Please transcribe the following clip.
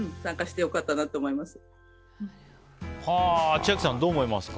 千秋さん、どう思いますか？